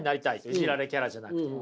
イジられキャラじゃなくて。